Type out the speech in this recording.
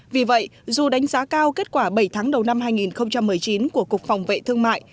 vì vậy dù đánh giá cao kết quả bảy tháng đầu năm hai nghìn một mươi chín của cục phòng vệ thương mại